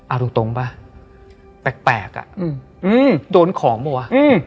เอาตรงป่ะแปลกอ่ะโดนของป่ะ